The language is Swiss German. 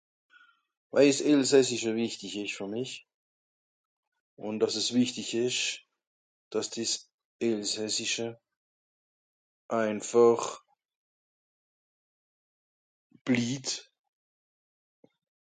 Waje s'Elsassische wìchtisch ìsch fer mich, ùn dàss es wìchtisch, dàss dìs Elsassische... einfàch... bliit